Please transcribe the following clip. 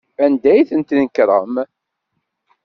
Anda ay d-tnekrem?